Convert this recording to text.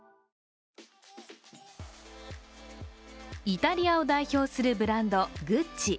イタリアを代表するブランド・グッチ。